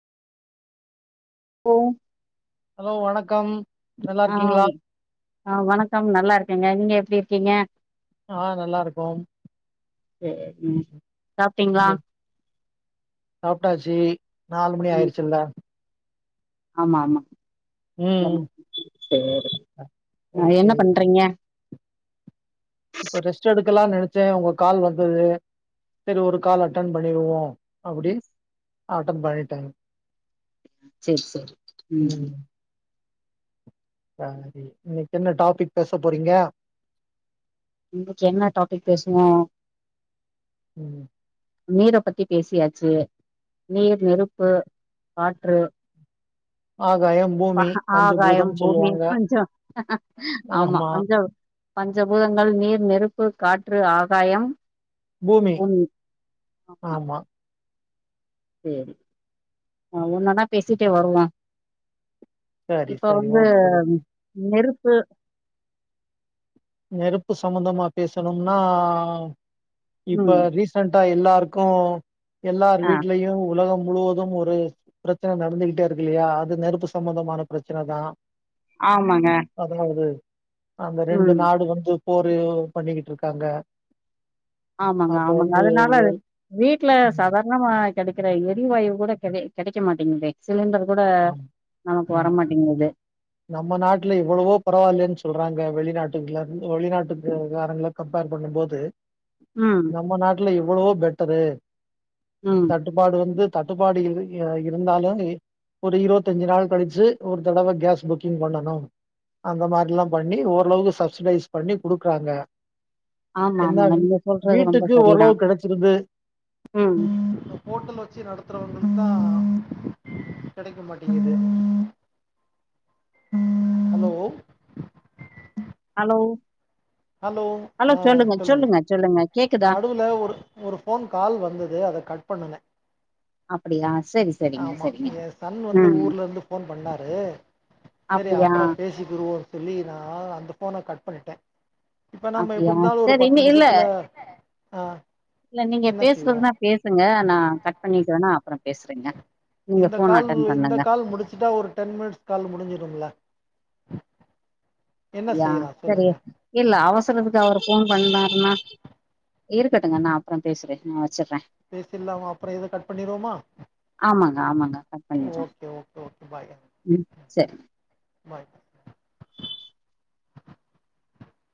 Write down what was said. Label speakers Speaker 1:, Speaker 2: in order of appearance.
Speaker 1: ஓ
Speaker 2: hello வணக்கம்
Speaker 1: ஆ
Speaker 2: நல்லாருக்கீங்களா
Speaker 1: ஆ வணக்கம் நல்லா இருக்கேங்க நீங்க எப்டி இருக்கீங்க
Speaker 2: ஆஹ் நல்லாருக்கோ
Speaker 1: சேரிங்க சாப்ட்டீங்களா
Speaker 2: ம் சாப்ட்டாச்சி நாலு மணி
Speaker 1: ம்
Speaker 2: ஆயிடுச்சில்ல
Speaker 1: ஆமா ஆமா
Speaker 2: ம்
Speaker 1: [unintelligible] சேரி ஆ என்ன
Speaker 2: ஓகே
Speaker 1: பண்றீங்க
Speaker 2: இப்ப ரெஸ்ட் எடுக்கலான் நெனச் சே உங்க கால் வந்துது சரி ஒரு கால் அட்டன் பண்ணிடுவோ அப்டி அட்டன் பண்ணிட்டேங்
Speaker 1: சேரி சேரி ம்
Speaker 2: சரி இன்னைக்கு என்ன டாபிக் பேச போறீங்க
Speaker 1: இன்னைக்கு என்ன டாபிக் பேசுவோ
Speaker 2: உம்
Speaker 1: நீரை பத்தி பேசியாச்சு நீர் நெருப்பு காற்று
Speaker 2: ஆகாயம்
Speaker 1: ஆ
Speaker 2: பூமி
Speaker 1: ஆகாயம்
Speaker 2: பஞ்சபூதம்
Speaker 1: பூமி
Speaker 2: சொல்லுவாங்க
Speaker 1: பஞ்சோ ஆமா பஞ்சோ பஞ்சபூதங்கள் நீர் நெருப்பு காற்று ஆகாயம்
Speaker 2: பூமி ஆமா
Speaker 1: சேரி ஆஹ் ஒன்னொன்னா பேசிட்டே வருவோ
Speaker 2: சரி
Speaker 1: இப்ப
Speaker 2: சரி
Speaker 1: வந்து
Speaker 2: ஓகே ஓகே
Speaker 1: நெருப் பு
Speaker 2: நெருப்பு சம்பந்தமா பேசணும்னா இப்ப
Speaker 1: ம்
Speaker 2: ரீசென்டா எல்லாருக்கு எல்லார்
Speaker 1: ஆ
Speaker 2: வீட்லயு உலகம் முழுவதும் ஒரு பிரச்சன நடந்துகிட்டே இருக்கு இல்லையா அது நெருப்பு சம்பந்தமான பிரச்சனதா
Speaker 1: ஆமாங்க
Speaker 2: அந்த ரெண்டு
Speaker 1: ம்.
Speaker 2: நாடு வந்து போரு பண்ணிக்கிட்டு இருக்காங்க
Speaker 1: ஆமாங்க
Speaker 2: அப்போ
Speaker 1: ஆமாங்க
Speaker 2: வந்து
Speaker 1: அதனால
Speaker 2: எல்
Speaker 1: வீட்ல
Speaker 2: ம்
Speaker 1: சாதாரணமா கெடைக்கிற எரிவாயு கூட கெ கெடைக்க மாட்டேங்குதே சிலிண்டர் கூட நமக்கு
Speaker 2: உம்
Speaker 1: வரமாட்டேங்குது.
Speaker 2: நம்ம நாட்ல எவ்ளவோ பரவாயில்லைனு சொல்றாங்க வெளிநாடு ந்து வெளிநாட்டுகாரங்கள கம்பேர் பண்ணும்போது
Speaker 1: ம்,
Speaker 2: நம்ம நாட்லயு எவ்ளோ பெட்டர்
Speaker 1: ம்.
Speaker 2: தட்டுப்பாடு வந்து தட்டுப்பாடு இ இருந்தாலு ஒரு இருவத்தஞ்சு நாள் கழிச்சு ஒரு தடவை கேஸ் புக்கிங் பண்ணணும் அந்த மாதிரி எல்லாம் பண்ணி ஓரளவுக்கு சப்சிடைஸ் பண்ணி குடுக்கறாங்க
Speaker 1: ஆமா,
Speaker 2: என்ன
Speaker 1: ஆமாங்க.
Speaker 2: வீ
Speaker 1: நீங்க சொல்றது ரொம்ப
Speaker 2: வீட்டுக்கு ஓரளவு
Speaker 1: சரிதான்.
Speaker 2: கிடைச்சிருது
Speaker 1: ம்.
Speaker 2: ஹோட்டல் வெச்சு நடத்துறவங்களுக்குதா கெடைக்க மாட்டீங்குது ஹலோ
Speaker 1: ஹலோ
Speaker 2: ஹலோ
Speaker 1: ஹலோ
Speaker 2: ஆ
Speaker 1: சொல்லுங்க சொல்லுங்க சொல்லுங்க கேக்குதா?
Speaker 2: நடுவுல ஒரு ஒரு போன் கால் வந்தது அத கட் பண்ணுங்க
Speaker 1: அப்படியா? சரி, சரிங்க,
Speaker 2: ஆமா
Speaker 1: சரிங்க.
Speaker 2: எ சன் வந்து
Speaker 1: ம்.
Speaker 2: ஊர்ல இருந்து போன் பண்ணாரு சரி
Speaker 1: அப்படியா?
Speaker 2: அப்புறோ பேசிக்கிருவோ சொல்லி நா அந்த போன கட் பண்ணிட்ட இப்ப நம்ம எப்டி
Speaker 1: அப்படியா?
Speaker 2: இருந்தாலு ஒரு
Speaker 1: சரி
Speaker 2: பத்து
Speaker 1: இனி இல்ல,
Speaker 2: நிமிஷத்துல ஆ
Speaker 1: இல்ல நீங்க
Speaker 2: என்ன செய்வோ
Speaker 1: பேசுறதுனா பேசுங்க நா கட் பண்ணிக்கிறே ஆனா அப்புறோ பேசுறேங்க நீங்க
Speaker 2: இந்த
Speaker 1: ஃபோன்
Speaker 2: கால்
Speaker 1: அட்டெண்ட்
Speaker 2: இந்த
Speaker 1: பண்ணுங்க.
Speaker 2: கால் முடிச்சுட்டா ஒரு டென் மினிட்ஸ் கால் முடிஞ்சுடோம்மில்ல
Speaker 1: யா
Speaker 2: செய்யலா சொல்லுங்க
Speaker 1: செரி இல்ல அவசரத்துக்கு அவரு ஃபோன் பண்ணாருன்னா இருக்கட்டுங்க நா அப்புறோ பேசுறே வச்சுட்றே
Speaker 2: பேசில்லாமா அப்புறோ இத கட் பண்ணிருவோமா
Speaker 1: ஆமாங்க ஆமாங்க கட் பண்ணிட்றே
Speaker 2: ஓகே ஓகே ஓகே பாய்
Speaker 1: ம் சரி
Speaker 2: பாய்